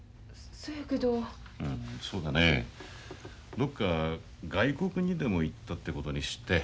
どっか外国にでも行ったってことにして。